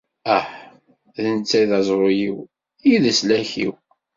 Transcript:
Ah! D netta i d aẓru-iw, i d leslak-iw.